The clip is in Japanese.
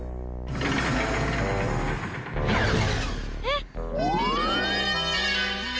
えっ！？